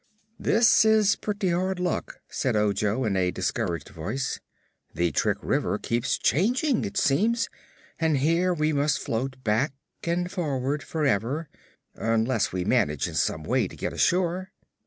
"This is pretty hard luck," said Ojo in a discouraged voice. "The Trick River keeps changing, it seems, and here we must float back and forward forever, unless we manage in some way to get ashore."